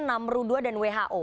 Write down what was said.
namrudua dan who